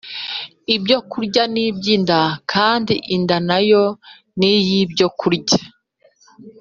Ibyo kurya ni iby’ inda kandi inda nayo niyi byo kurya